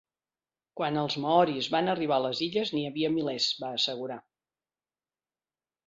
Quan els maoris vam arribar a les illes n'hi havia milers —va assegurar—.